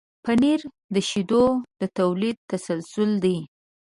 پنېر د شیدو د تولید تسلسل دی.